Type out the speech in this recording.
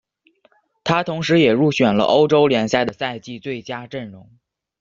他同时也入选了欧洲联赛的赛季最佳阵容。